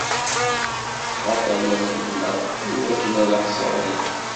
Ttxatalen deg-nneɣ iwakken a aɣ-sseɣlin.